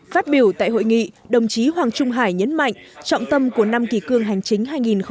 phát biểu tại hội nghị đồng chí hoàng trung hải nhấn mạnh trọng tâm của năm kỳ cương hành chính hai nghìn một mươi chín